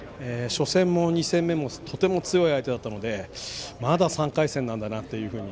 初戦も２戦目も強い相手だったのでまだ３回戦なんだなというふうに。